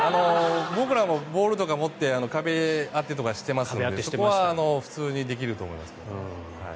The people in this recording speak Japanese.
僕らもボールとか持って壁当てとかしてますのでそこは普通にできると思います。